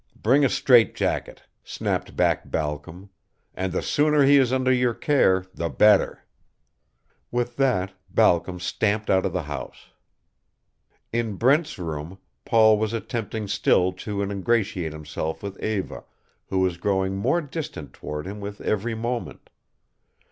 Bring a strait jacket," snapped back Balcom. "And the sooner he is under your care the better." With that Balcom stamped out of the house. In Brent's room, Paul was attempting still to ingratiate himself with Eva, who was growing more distant toward him with every moment.